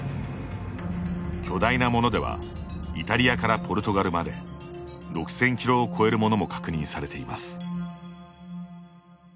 巨大なものではイタリアからポルトガルまで６０００キロを超えるものも確認されています。